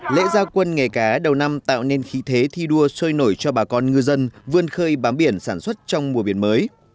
lễ gia quân nghề cá đầu năm tạo nên khí thế thi đua sôi nổi cho bà con ngư dân vươn khơi bám biển sản xuất trong mùa biển mới